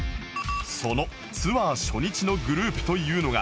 そのツアー初日のグループというのが